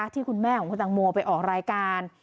ที่คุณแม่ของคุณตังโมไปออกรายการ